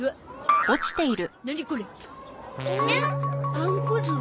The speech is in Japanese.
パンくず？